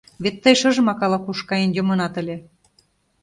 Вет тый шыжымак ала-куш каен йомынат ыле...